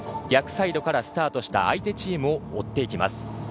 逆サイドからスタートした相手チームを追っていきます。